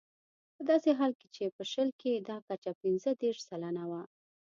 په داسې حال کې چې په شل کې دا کچه پنځه دېرش سلنه وه.